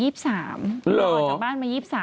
เหรอออกจากบ้านมา๒๓เมื่อเช้า